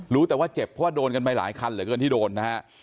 รู้แต่ว่าเจ็บเพราะว่าโดนกันไปหลายคันเหลือเกินที่โดนนะฮะ